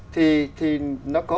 thì nó có